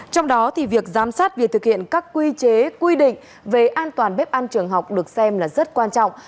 trong đó thì việc giám sát việc thực hiện các quy chế quy định về an toàn bếp ăn trường học được xem là rất quan trọng